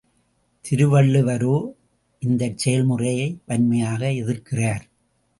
திருவள்ளுவரோ, இந்தச் செயல்முறையை வன்மையாக எதிர்க்கிறார்.